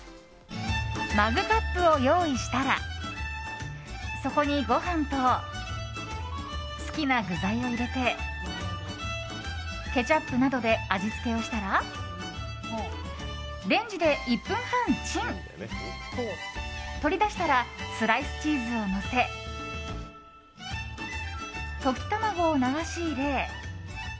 マグカップを用意したらそこにご飯と好きな具材を入れてケチャップなどで味付けをしたらレンジで１分半、チン。取り出したらスライスチーズをのせ溶き卵を流し入れ。